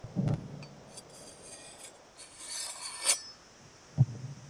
افغانستان د هلمند سیند د ترویج لپاره پروګرامونه لري.